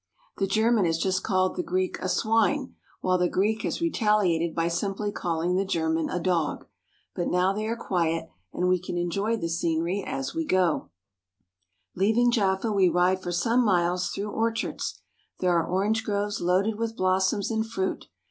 The German has just called the Greek a swine, while the Greek has retaliated by simply calling the German a dog. But now they are quiet and we can enjoy the scenery as we go on. Leaving Jaffa we ride for some miles through orchards. There are orange groves loaded with blossoms and fruit.